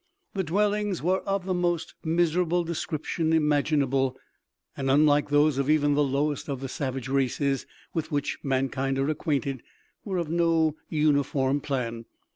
The dwellings were of the most miserable description imaginable, and, unlike those of even the lowest of the savage races with which mankind are acquainted, were of no uniform plan.